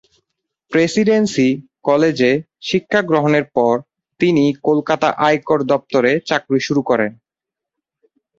Presidency কলেজে শিক্ষা গ্রহণের পর তিনি কলকাতার আয়কর দপ্তরে চাকরি শুরু করেন।